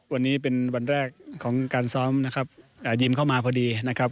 วันนี้เป็นวันแรกของการซ้อมนะครับยิมเข้ามาพอดีนะครับ